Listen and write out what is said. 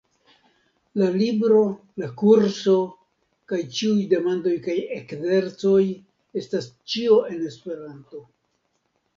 La libro, la kurso, kaj ĉiuj demandoj kaj ekzercoj estas ĉio en Esperanto.